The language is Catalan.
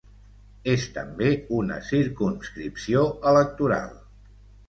És també una circumscripció electoral.